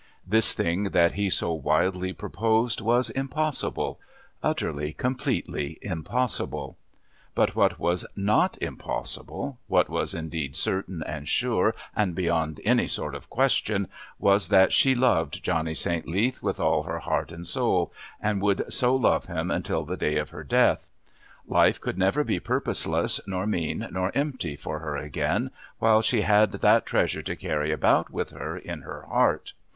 This thing that he so wildly proposed was impossible utterly, completely impossible; but what was not impossible, what was indeed certain and sure and beyond any sort of question, was that she loved Johnny St. Leath with all her heart and soul, and would so love him until the day of her death. Life could never be purposeless nor mean nor empty for her again, while she had that treasure to carry about with her in her heart.